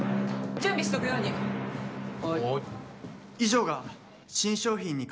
準備しとくように。